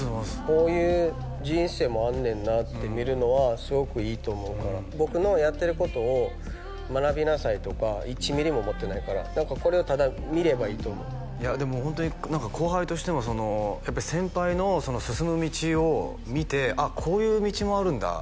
「こういう人生もあんねんな」って見るのはすごくいいと思うから僕のやってることを学びなさいとか１ミリも思ってないから何かこれをただ見ればいいと思ういやでもホントに何か後輩としても先輩の進む道を見て「あっこういう道もあるんだ」